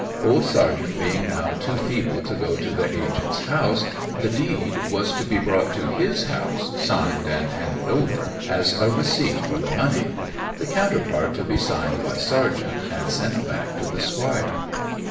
Old Sargent being now too feeble to go to the agent's house, the deed was to be brought to his house signed, and handed over as a receipt for the money; the counterpart to be signed by Sargent, and sent back to the Squire.